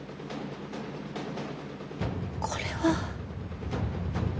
これは。